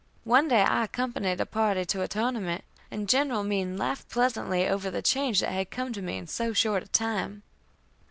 One day I accompanied a party to a tournament, and General Meem laughed pleasantly over the change that had come to me in so short a time.